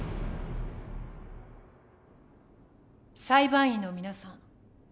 裁判員の皆さん